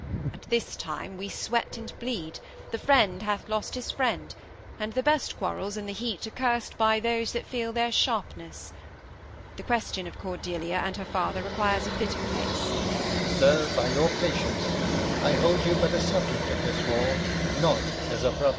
At this time We sweat and bleed: the friend hath lost his friend; And the best quarrels, in the heat, are curs'd By those that feel their sharpness. The question of Cordelia and her father Requires a fitter place. Alb. Sir, by your patience, I hold you but a subject of this war, Not as a brother.